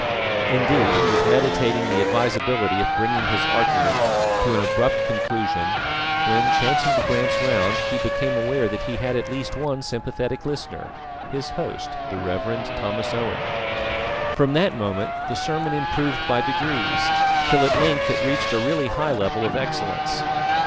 Indeed he was meditating the advisability of bringing his argument to an abrupt conclusion when, chancing to glance round, he became aware that he had at least one sympathetic listener, his host, the Rev. Thomas Owen. From that moment the sermon improved by degrees, till at length it reached a really high level of excellence.